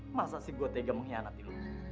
masa sih gue tega mengkhianati lu